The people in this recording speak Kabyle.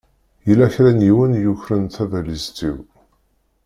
Yella kra n yiwen i yukren tabalizt-iw.